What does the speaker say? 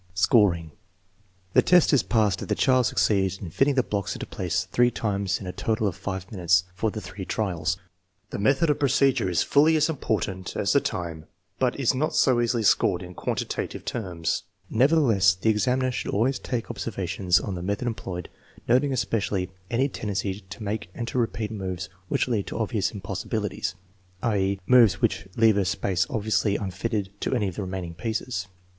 Scoring* The test is passed if the child succeeds in fit ting the blocks into place three times in a total time of five minutes for the three trials. 80 THE MEASUREMENT OF INTELLIGENCE The method of procedure is fully as important as the time, but is not so easily scored in quantitative terms. Nevertheless, the examiner should always take observa tions on the method employed, noting especially any ten dency to make and to repeat moves which lead to obvious impossibilities; i.e., moves which leave a space obviously unfitted to any of the remaining pieces.